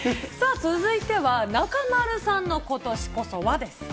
続いては中丸さんの今年こそは！です。